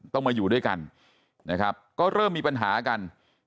ต้องมาอยู่ด้วยกันนะครับก็เริ่มมีปัญหากัน